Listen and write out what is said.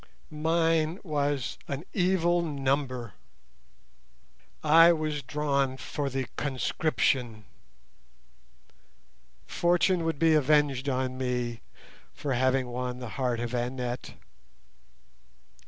Mine was an evil number; I was drawn for the conscription. Fortune would be avenged on me for having won the heart of Annette.